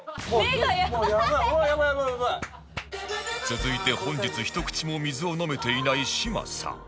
続いて本日ひと口も水を飲めていない嶋佐